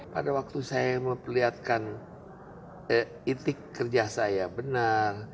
pada waktu saya memperlihatkan itik kerja saya benar